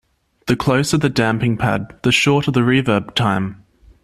The closer the damping pad, the shorter the reverb time.